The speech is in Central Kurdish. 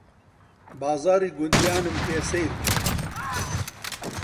بازاڕی گوندیانم پێ سەیر بوو